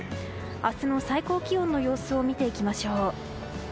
明日の最高気温の様子を見ていきましょう。